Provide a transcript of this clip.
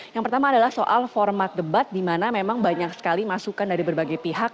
yang pertama adalah soal format debat di mana memang banyak sekali masukan dari berbagai pihak